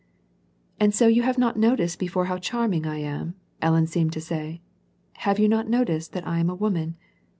And so you have not noticed before how charming I am ?" Ellen seemed to say, "have you not noticed that I am a woman?